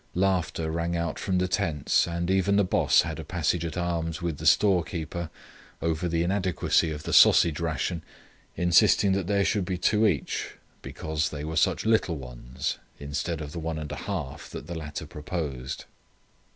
Laughter rang out from the tents, and even the Boss had a passage at arms with the storekeeper over the inadequacy of the sausage ration, insisting that there should be two each 'because they were such little ones,' instead of the one and a half that the latter proposed."